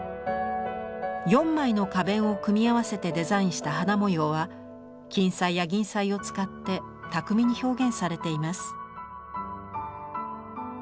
４枚の花弁を組み合わせてデザインした花模様は金彩や銀彩を使って巧みに表現されています。